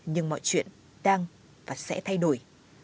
nhưng mọi chuyện đang và sẽ thay đổi